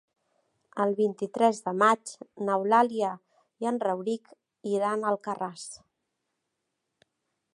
El vint-i-tres de maig n'Eulàlia i en Rauric iran a Alcarràs.